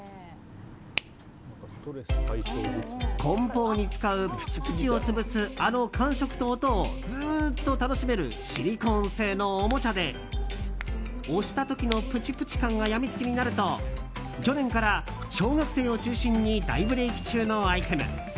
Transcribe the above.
梱包に使うプチプチを潰すあの感触と音をずーっと楽しめるシリコン製のおもちゃで押した時のプチプチ感が病みつきになると去年から小学生を中心に大ブレーク中のアイテム。